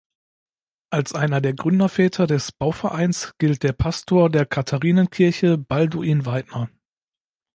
Als einer der Gründerväter des Bauvereins gilt der Pastor der Katharinenkirche, Balduin Weidner.